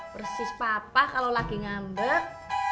persis papa kalau lagi ngambek